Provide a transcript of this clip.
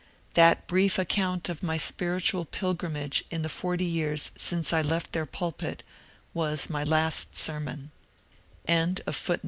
That brief account of my spiritual pilg^rimage in the forty years since I left their pulpit was my last sermon.